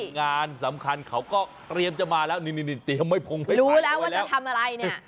งานสำคัญเขาก็เตรียมจะมาแล้วนี่เตรียมไม้พงให้รู้แล้วว่าจะทำอะไรเนี่ย